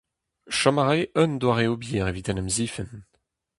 Chom a rae un doare-ober evit en em zifenn !